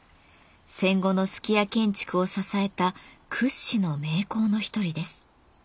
戦後の数寄屋建築を支えた屈指の名工の一人です。